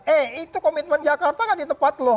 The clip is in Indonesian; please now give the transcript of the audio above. eh itu komitmen jakarta kan di tepat loh